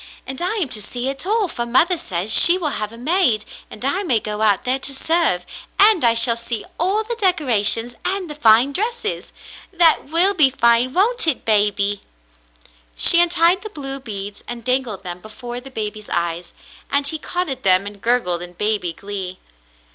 And I am to see it all, for mother says she will have a maid, and I may go out there to serve, and I shall see all the decorations and the fine dresses. That will be fine, won't it, baby ?" She untied the blue beads and dangled them before the baby's eyes, and he caught at them and gurgled in baby glee.